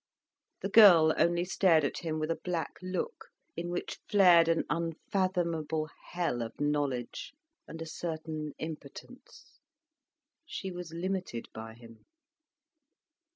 The girl only stared at him with a black look in which flared an unfathomable hell of knowledge, and a certain impotence. She was limited by him.